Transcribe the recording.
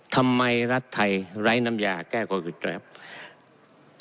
ทำไมรัฐไทยไร้น้ำยาแก้โควิดครับ